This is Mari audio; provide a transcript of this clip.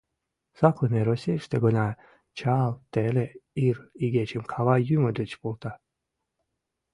Саклыме Российыште гына чал теле Ир игечым кава юмо деч волта.